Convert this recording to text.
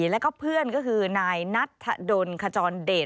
แล้วก็เพื่อนก็คือนายนัทธดลขจรเดช